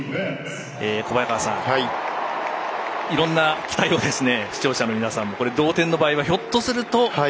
小早川さん、いろんな期待を視聴者の皆さんも同点の場合は、ひょっとすると。